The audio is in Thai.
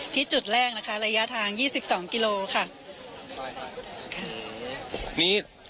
ที่จุดแรกนะคะระยะทาง๒๒กิโลกรัมค่ะ